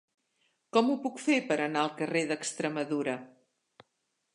Com ho puc fer per anar al carrer d'Extremadura?